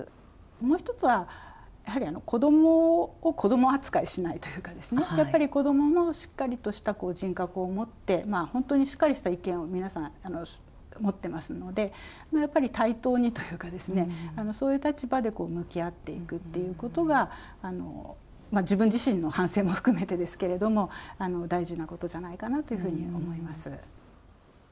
もう１つは、やはり子どもを子ども扱いしないというかですね、やっぱり子どももしっかりとした人格を持って、本当にしっかりした意見を皆さん持ってますので、やっぱり対等にというか、そういう立場で向き合っていくということが自分自身の反省も含めてですけれども、大事なことじゃないかなというふうに思います。